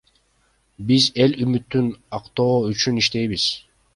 Биз эл үмүтүн актоо үчүн иштейбиз.